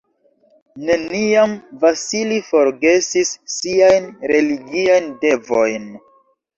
Neniam Vasili forgesis siajn religiajn devojn.